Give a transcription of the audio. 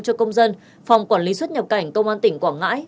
cho công dân phòng quản lý xuất nhập cảnh công an tỉnh quảng ngãi